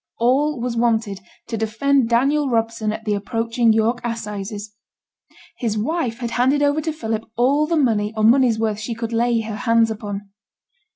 All was wanted to defend Daniel Robson at the approaching York assizes. His wife had handed over to Philip all the money or money's worth she could lay her hands upon.